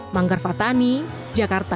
manggar fathani jakarta